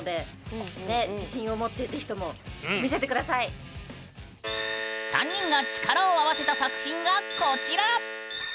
何か２人の３人が力を合わせた作品がこちら！